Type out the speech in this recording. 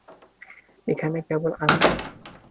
এখানে কেবল আমিই আছি।